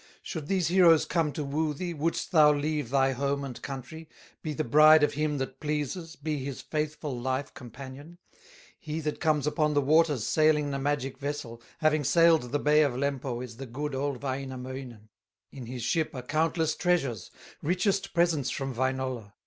Should these heroes come to woo thee, Wouldst thou leave thy home and country, Be the bride of him that pleases, Be his faithful life companion? "He that comes upon the waters, Sailing in a magic vessel, Having sailed the bay of Lempo, Is the good, old Wainamoinen; In his ship are countless treasures, Richest presents from Wainola.